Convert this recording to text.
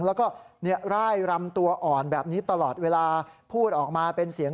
แล้วก็ร่ายรำตัวอ่อนแบบนี้ตลอดเวลาพูดออกมาเป็นเสียง